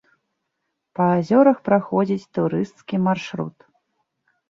Па азёрах праходзіць турысцкі маршрут.